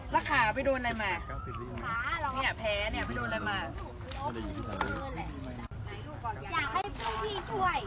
ละขาไปโดนอะไรมาอยากแพ้เนี่ยไปโดนอะไรมา